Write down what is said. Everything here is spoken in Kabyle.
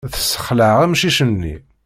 Tessexleɛ amcic-nni.